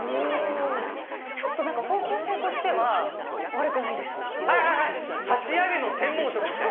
ちょっとなんか方向性としてはいはいはい。